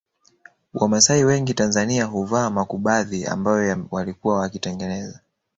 Wamasai wengi Tanzania huvaa makubadhi ambayo walikuwa wakitengeneza